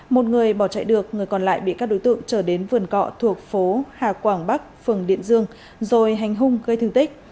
một người bỏ chạy được người còn lại bị các đối tượng trở đến vườn cọ thuộc phố hà quảng bắc phường điện dương rồi hành hung gây thương tích